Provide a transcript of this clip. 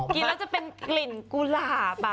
กินแล้วจะเป็นกลิ่นกุหลาบ